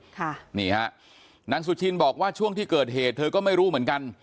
ค่ะนี่ฮะนางสุชินบอกว่าช่วงที่เกิดเหตุเธอก็ไม่รู้เหมือนกัน